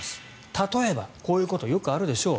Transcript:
例えば、こういうことよくあるでしょう。